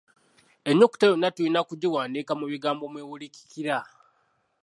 Ennyukuta yonna tulina kugiwandiika mu bigambo mw’ewulikikira.